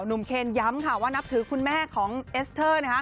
หนุ่มเคนย้ำว่านับถือคุณแม่ของเอสเตอร์